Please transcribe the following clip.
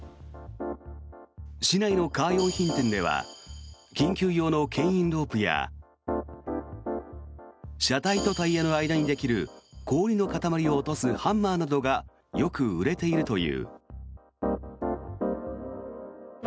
市内のカー用品店では緊急用のけん引ロープや車体とタイヤの間にできる氷の塊を落とすハンマーなどがよく売れているという。